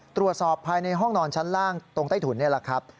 ตรวจสอบภายในห้องนอนชั้นล่างตรงใต้ถุนนี่แหละครับ